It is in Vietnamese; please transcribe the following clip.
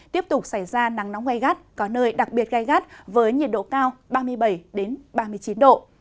tiếp tục xảy ra nắng nóng gai gắt có nơi đặc biệt gai gắt với nhiệt độ cao ba mươi bảy ba mươi chín độ